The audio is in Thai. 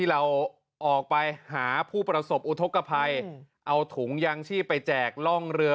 เราออกไปหาผู้ประสบอุทธกภัยเอาถุงยางชีพไปแจกล่องเรือ